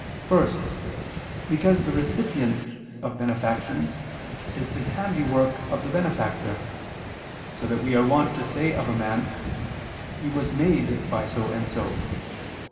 First because the recipient of benefactions is the handiwork of the benefactor, so that we are wont to say of a man: "He was made by so and so."